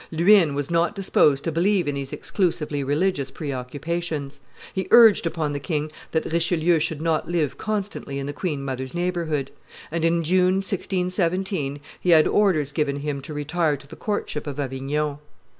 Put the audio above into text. Luynes was not disposed to believe in these exclusively religious preoccupations; he urged upon the king that Richelieu should not live constantly in the queen mother's neighborhood, and in June, 1617, he had orders given him to retire to the courtship of Avignon.